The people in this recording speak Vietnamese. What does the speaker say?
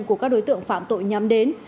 của các đối tượng phạm tội nhắm đến